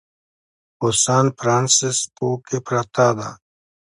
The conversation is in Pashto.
په سان فرانسیسکو کې پرته ده.